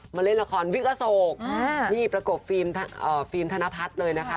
เล่นละครวิกอโศกนี่ประกบฟิล์มธนพัฒน์เลยนะคะ